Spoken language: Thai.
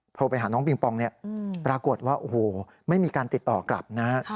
โทรไปหาน้องปิงปองเนี่ยปรากฏว่าโอ้โหไม่มีการติดต่อกลับนะฮะ